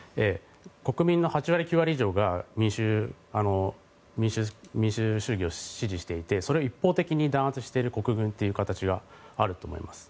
国民の８割、９割以上が民主主義を支持していてそれを一方的に弾圧している国軍というものがあると思います。